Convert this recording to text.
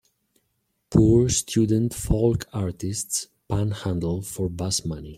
Poor student folk artists panhandle for bus money.